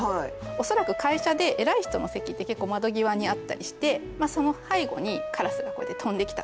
恐らく会社で偉い人の席って結構窓際にあったりしてその背後にカラスがこうやって飛んできたと。